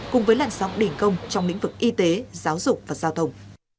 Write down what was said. cùng với làn sóng đình công trong lĩnh vực y tế giáo dục và giao thông